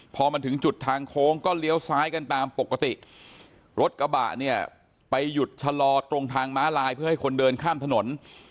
พอมันถึงจุดทางโค้งก็เลี้ยวซ้ายกันตามปกติรถกระบะเนี่ยไปหยุดชะลอตรงทางม้าลายเพื่อให้คนเดินข้ามถนน